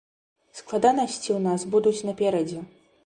Складанасці ў нас будуць наперадзе.